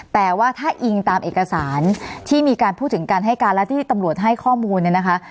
แต่ว่าถ้าอิงตามเอกสารที่มีการพูดถึงการให้การและที่ตำรวจให้ข้อมูลเนี่ยนะคะ